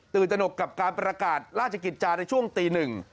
ตนกกับการประกาศราชกิจจาในช่วงตีหนึ่ง